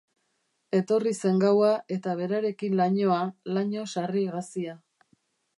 Etorri zen gaua, eta berarekin lainoa, laino sarri gazia.